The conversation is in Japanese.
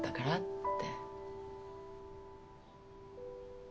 って。